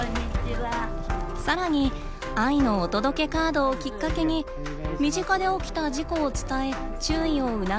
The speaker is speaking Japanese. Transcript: さらに「愛のお届けカード」をきっかけに身近で起きた事故を伝え注意を促すことも。